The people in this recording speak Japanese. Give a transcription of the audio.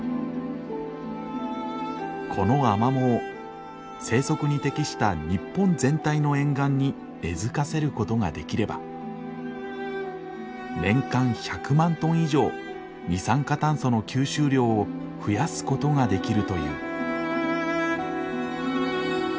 このアマモを生息に適した日本全体の沿岸に根づかせることができれば年間１００万トン以上二酸化炭素の吸収量を増やすことができるという。